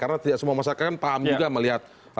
karena semua masyarakat kan paham juga melihat